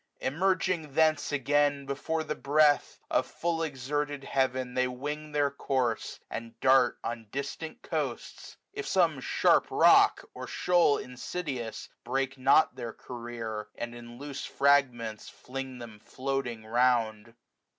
Emerging thence again, before the breath 170 Of full exerted heaven they wing their course. And dart on distant coasts ; if some sharp rock. Or shoal insidious, break not their career, And in loose fragments fling them floating round.